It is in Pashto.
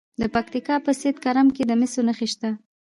د پکتیا په سید کرم کې د مسو نښې شته.